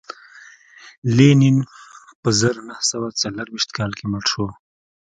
لینین په زر نه سوه څلرویشت کال کې مړ شو